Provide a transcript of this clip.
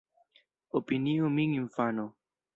Opiniu min infano.